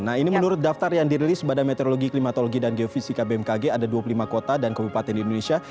nah ini menurut daftar yang dirilis badan meteorologi klimatologi dan geofisika bmkg ada dua puluh lima kota dan kebupaten di indonesia